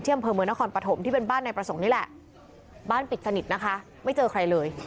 อำเภอเมืองนครปฐมที่เป็นบ้านนายประสงค์นี่แหละบ้านปิดสนิทนะคะไม่เจอใครเลย